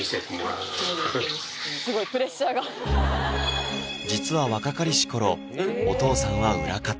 いやそうやなすごいプレッシャーが実は若かりし頃お父さんは裏方